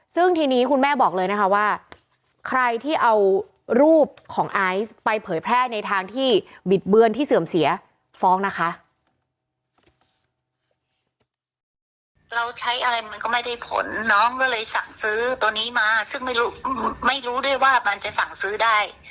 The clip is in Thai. ซึ่งทีนี้คุณแม่บอกเลยนะคะว่าใครที่เอารูปของไอซ์ไปเผยแพร่ในทางที่บิดเบือนที่เสื่อมเสียฟ้องนะคะ